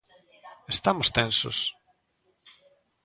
Estamos tensos.